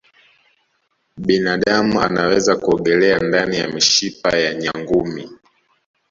binadamu anaweza kuogelea ndani ya mishipa ya nyangumi